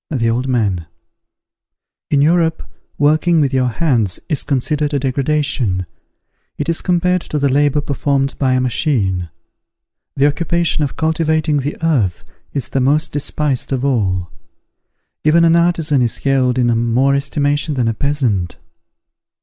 The Old Man. In Europe, working with your hands is considered a degradation; it is compared to the labour performed by a machine. The occupation of cultivating the earth is the most despised of all. Even an artisan is held in more estimation than a peasant.